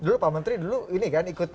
dulu pak menteri dulu ini kan ikut